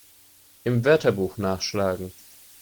Im Wörterbuch nachschlagen!